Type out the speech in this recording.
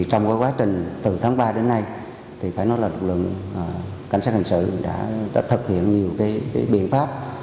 trong quá trình từ tháng ba đến nay thì phải nói là lực lượng cảnh sát hành sự đã thực hiện nhiều biện pháp